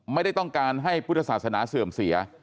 ไม่ได้ต้องการให้พุทธศาสนาเสื่อมเสีย